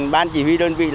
ban chỉ huy đơn vị